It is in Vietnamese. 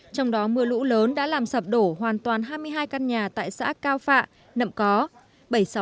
trong đó mưa lũ lớn đã làm sập đổ hoàn toàn hai mươi hai căn nhà tại xã cao phạ nậm có